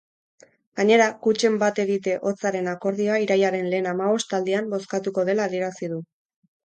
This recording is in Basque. Gainera, kutxen bat-egite hotzaren akordioa irailaren lehen hamabostaldian bozkatuko dela adierazi du.